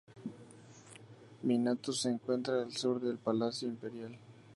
Minato se encuentra al sur del Palacio Imperial.